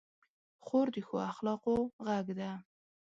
خور د ښو اخلاقو غږ ده.